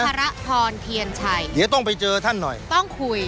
พระพรเพียรชัยเดี๋ยวต้องไปเจอท่านหน่อยต้องคุย